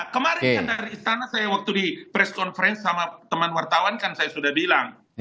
kemarin kan dari istana saya waktu di press conference sama teman wartawan kan saya sudah bilang